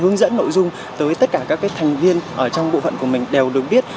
hướng dẫn nội dung tới tất cả các thành viên ở trong bộ phận của mình đều được biết